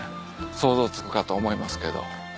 想像つくかと思いますけど。